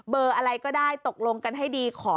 เบอร์อะไรก็ได้ตกลงกันให้ดี